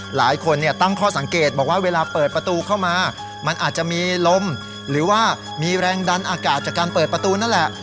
หลายคนตั้งข้อสังเกตบอกว่าเวลาเปิดประตูเข้ามามันอาจจะมีลมหรือว่ามีแรงดันอากาศจากการเปิดประตูนั่นแหละ